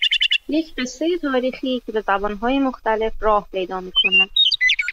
یک قصه تاریخی که به زبانهای مختلف راه پیدا میکند